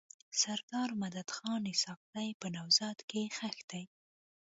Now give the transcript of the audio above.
سردار مددخان اسحق زی په نوزاد کي ښخ دی.